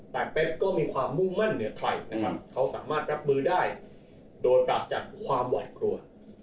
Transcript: แต่เป๊กก็มีความมุ่งมั่นเหนือไทยนะครับเขาสามารถรับมือได้โดยปราศจากความหวาดกลัว